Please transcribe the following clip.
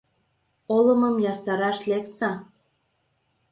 Олымым ястараш лекса!